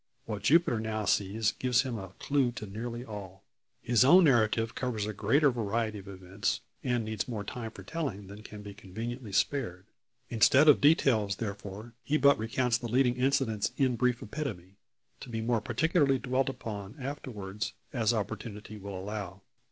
What Jupiter now sees gives him a clue to nearly all. His own narrative covers a greater variety of events, and needs more time for telling than can now be conveniently spared. Instead of details, therefore, he but recounts the leading incidents in brief epitome to be more particularly dwelt upon afterwards, as opportunity will allow.